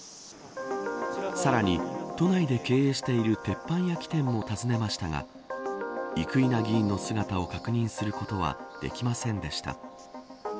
さらに、都内で経営している鉄板焼き店も尋ねましたが生稲議員の姿を確認することはできませんでした。